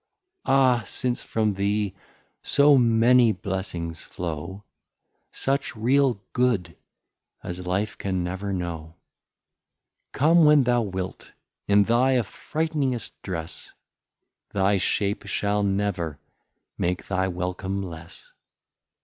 Ah since from thee so many Blessings flow, Such real Good as Life can never know; Come when thou wilt, in thy afrighting'st Dress, Thy Shape shall never make thy Welcome less.